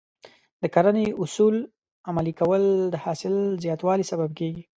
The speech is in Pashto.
د کرنې اصول عملي کول د حاصل زیاتوالي سبب کېږي.